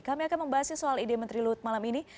kami akan membahasnya soal ide menteri luhut malam ini